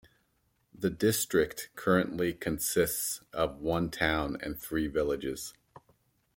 The district currently consists of one town and three villages.